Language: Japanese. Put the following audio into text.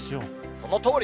そのとおり。